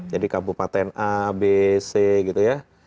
jadi kabupaten a b c gitu ya